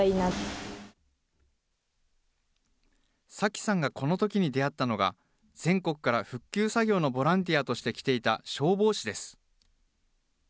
紗季さんがこのときに出会ったのが、全国から復旧作業のボランティアとして来ていた消防士です。